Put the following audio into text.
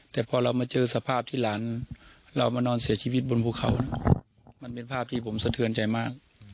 แต่พอเรามาเจอสภาพที่หลานเรามานอนเสียชีวิตบนภูเขามันเป็นภาพที่ผมสะเทือนใจมาก